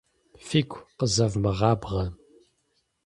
Фигу къызэвмыгъабгъэ.